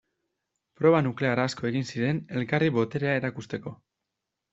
Proba nuklear asko egin ziren elkarri boterea erakusteko.